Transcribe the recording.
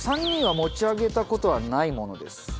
３人は持ち上げた事はないものです。